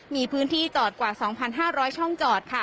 มีพื้นที่จอดกว่า๒๕๐๐ช่องจอดค่ะ